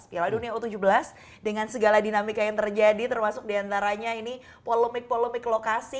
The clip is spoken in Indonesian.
piala dunia u tujuh belas dengan segala dinamika yang terjadi termasuk diantaranya ini polemik polemik lokasi